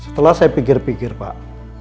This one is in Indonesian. setelah saya pikir pikir pak